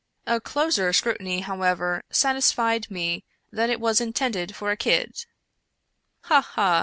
A closer scrutiny, however, satisfied me that it was intended for a kid." " Ha ! ha